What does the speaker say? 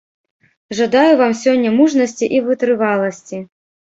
Жадаю вам сёння мужнасці і вытрываласці.